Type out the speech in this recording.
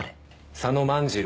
佐野万次郎。